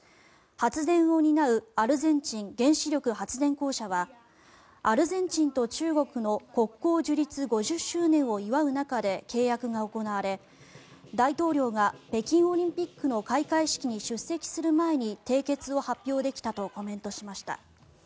発電を担うアルゼンチン原子力発電公社はアルゼンチンと中国の国交樹立５０周年を祝う中で契約が行われ、大統領が北京オリンピックの開会式に出席する前に締結を発表できたとコメントを発表しました。